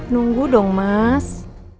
nunggu dong mas